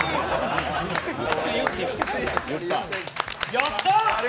やったー！